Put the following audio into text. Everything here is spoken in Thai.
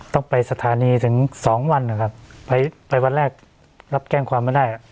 ต้องไปสถานีถึงสองวันนะครับไปวันแรกรับแจ้งความไม่ได้